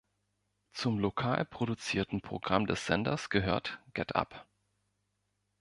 Zum lokal produzierten Programm des Senders gehört „Get Up!“